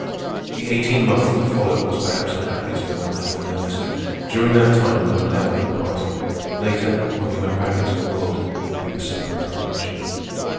The eighteen months that followed was perhaps the happiest of my life with Ernest. During that time we were never apart. Later, when we went back into the world, we were separated much.